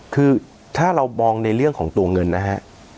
คือถ้าเรามองในเรื่องของตัวเงินนะฮะ